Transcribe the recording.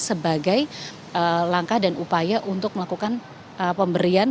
sebagai langkah dan upaya untuk melakukan pemberian